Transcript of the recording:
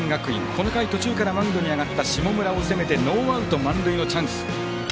この回、途中からマウンドに上がった下村を攻めてノーアウト、満塁のチャンス。